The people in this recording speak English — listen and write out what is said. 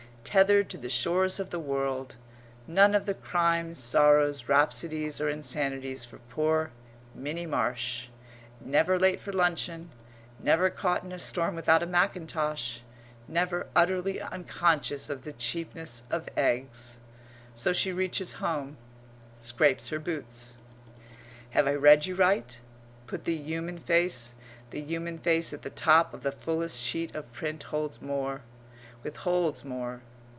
Tethered to the shores of the world, none of the crimes, sorrows, rhapsodies, or insanities for poor Minnie Marsh; never late for luncheon; never caught in a storm without a mackintosh; never utterly unconscious of the cheapness of eggs. So she reaches home scrapes her boots. Have I read you right? But the human face the human face at the top of the fullest sheet of print holds more, withholds more.